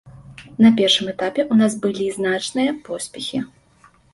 На першым этапе ў нас былі значныя поспехі.